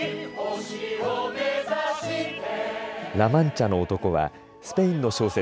ラ・マンチャの男はスペインの小説